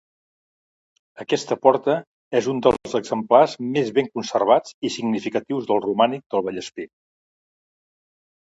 Aquesta porta és un dels exemplars més ben conservats i significatius del romànic del Vallespir.